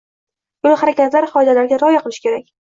Yo‘l harakati qoidalariga rioya qilish kerak.